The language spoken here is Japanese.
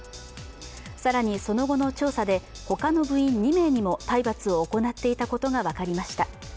更に、その後の調査で他の部員２名にも体罰を行っていたことが分かりました。